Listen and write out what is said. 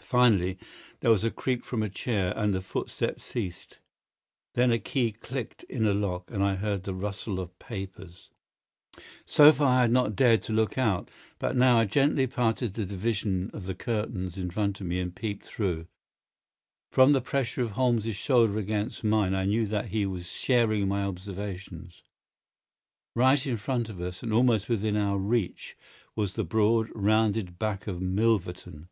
Finally, there was a creak from a chair, and the footsteps ceased. Then a key clicked in a lock and I heard the rustle of papers. So far I had not dared to look out, but now I gently parted the division of the curtains in front of me and peeped through. From the pressure of Holmes's shoulder against mine I knew that he was sharing my observations. Right in front of us, and almost within our reach, was the broad, rounded back of Milverton.